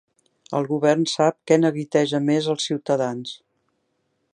El govern sap què neguiteja més els ciutadans.